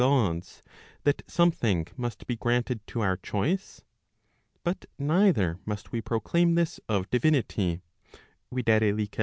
469 Gods that something must be granted to our choice? But neither must we proclaim this of divinity [viz.